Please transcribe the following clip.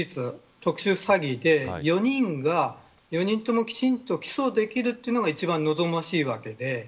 特殊詐欺で４人が４人ともきちんと起訴できるというのが一番、望ましいわけで。